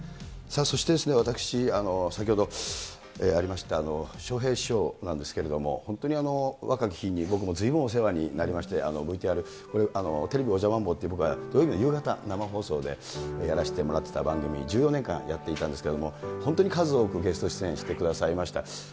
そしてですね、私、先ほどありました、笑瓶師匠なんですけれども、本当に若き日に僕もずいぶんお世話になりまして、ＶＴＲ、これ、テレビおじゃまんぼうという土曜日の夕方、生放送でやらしてもらってた番組、１５年間やっていたんですけれども、本当に数多くゲスト出演してくださいました。